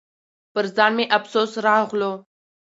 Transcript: پر ځان مې افسوس راغلو .